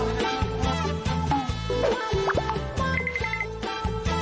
เหยียบแล้วค่ะโฟน